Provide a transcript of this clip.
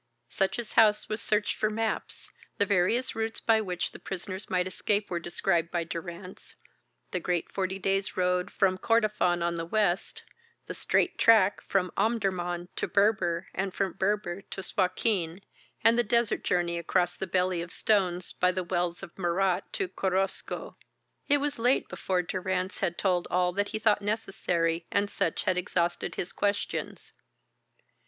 Sutch's house was searched for maps, the various routes by which the prisoners might escape were described by Durrance the great forty days' road from Kordofan on the west, the straight track from Omdurman to Berber and from Berber to Suakin, and the desert journey across the Belly of Stones by the wells of Murat to Korosko. It was late before Durrance had told all that he thought necessary and Sutch had exhausted his questions.